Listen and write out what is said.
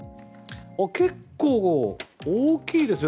結構、大きいですよ。